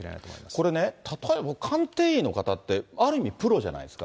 これね、例えば鑑定医の方って、ある意味、プロじゃないですか。